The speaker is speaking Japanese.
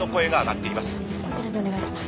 こちらでお願いします。